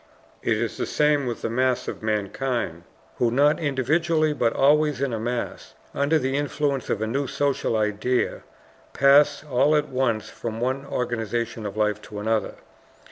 It is the same with the mass of mankind, who not individually, but always in a mass, under the influence of a new social idea pass all at once from one organization of life to another.